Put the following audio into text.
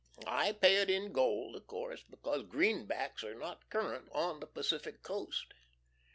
I pay it in gold, of course, because greenbacks are not current on the Pacific coast.